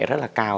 rất là cao